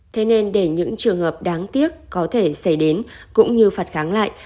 thế nên để những trường hợp đáng tiếc có thể xảy đến cũng như phạt kháng lại